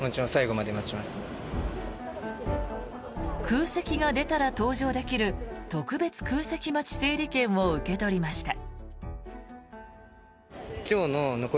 空席が出たら搭乗できる特別空席待ち整理券を受け取りました。